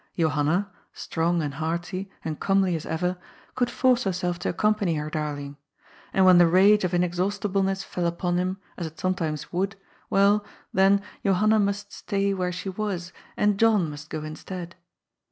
Johanna, strong and hearty, and comely as ever, could force herself to accompany her darling. And when the rage of inexhaustibleness fell upon him, as it sometimes would, well, then, Johanna must stay where she was, and John must go instead.